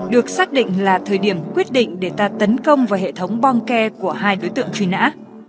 được xác định là thời điểm quyết định để ta tấn công vào hệ thống bong ke của hai đối tượng truy nã